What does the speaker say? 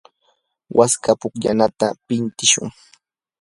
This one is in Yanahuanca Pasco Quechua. waska pukllanata pintishun.